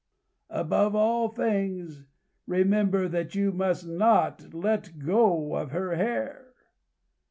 Above all things, remember that you must not let go of her hair."